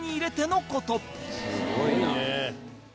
「すごいね！」